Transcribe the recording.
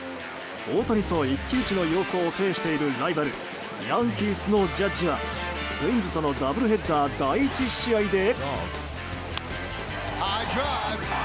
大谷と一騎打ちの様相を呈しているライバルヤンキースのジャッジはツインズとのダブルヘッダー第１試合で。